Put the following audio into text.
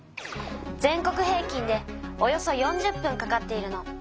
全国平きんでおよそ４０分かかっているの。